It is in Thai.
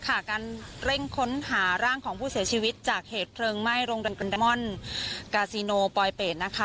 การเร่งค้นหาร่างของผู้เสียชีวิตจากเหตุเพลิงไหม้โรงแรมกันดามอนกาซีโนปลอยเป็ดนะคะ